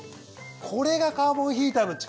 これがカーボンヒーターの力。